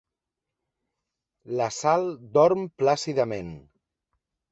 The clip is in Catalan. La Sal dorm plàcidament.